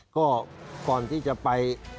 ก็ก่อนที่จะไป